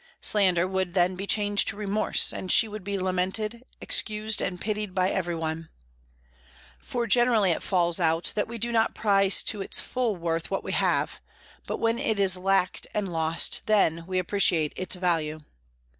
Slander would then be changed to remorse, and she would be lamented, excused, and pitied by everyone. For it generally falls out that we do not prize to its full worth what we have; but when it is lacked and lost, then we appreciate its value.